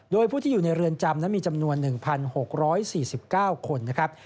โดยผู้ที่อยู่ในเรือนจำนั้นมีจำนวน๑๖๔๙คนนะครับ